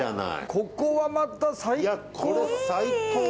ここはまた最高！